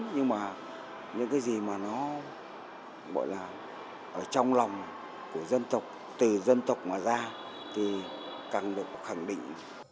nhưng mà những cái gì mà nó gọi là ở trong lòng của dân tộc từ dân tộc mà ra thì cần được khẳng định